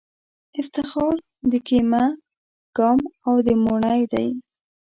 افتخار د کېمه ګام او د موڼی دی